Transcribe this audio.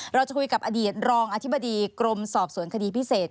เราจะคุยกับอดีตรองอธิบดีกรมสอบสวนคดีพิเศษ